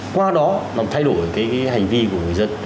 qua đó làm thay đổi cái hành vi của người dân